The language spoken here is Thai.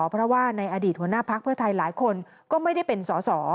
เพราะว่าในอดีตหัวหน้าพักเพื่อไทยหลายคนก็ไม่ได้เป็นสอสอ